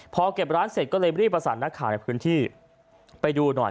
พอเก็บร้านเสร็จก็เลยรีบประสานนักข่าวในพื้นที่ไปดูหน่อย